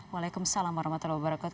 waalaikumsalam warahmatullahi wabarakatuh